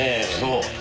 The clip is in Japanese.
そう。